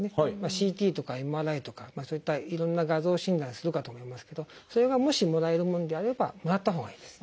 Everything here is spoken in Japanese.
ＣＴとかＭＲＩとかそういったいろんな画像診断するかと思いますけどそれがもしもらえるものであればもらったほうがいいです。